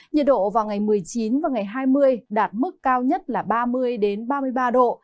nhiệt độ vào ngày một mươi chín và ngày hai mươi đạt mức cao nhất là ba mươi ba mươi ba độ